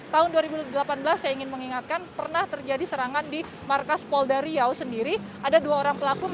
tahun dua ribu delapan belas saya ingin mengingatkan pernah terjadi serangan di markas polda riau sendiri ada dua orang pelaku